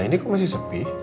ini kok masih sepi